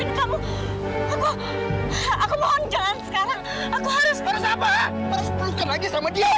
jangan jangan terjadi sesuatu sama dia